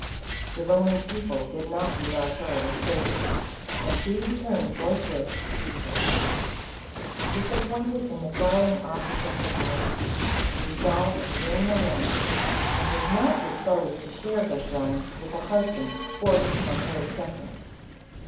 The Roman people did not regard her with favor, and she returned forthwith to Egypt. Dis appointed in the darling object of her heart, she re solved to reign alone, and wds not disposed to share her throne with a husband forced upon her acceptance.